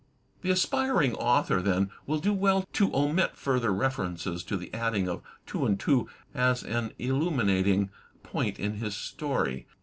The aspiring author, then, will do well to omit further references to the adding of two and two as an illuminating point in his story.